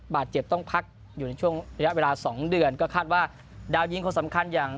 บาดเจ็บต้องพักอยู่ในช่วงระยะเวลาสองเดือนก็คาดว่าดาวยิงคนสำคัญอย่าง